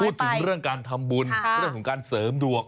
พูดถึงเรื่องการทำบุญเรื่องของการเสริมดวง